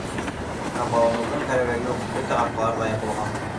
Ҡабаланыуҙың кәрәге юҡ, бөтә ҡапҡалар ҙа ябылған.